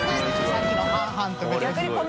さっきの半々と別に。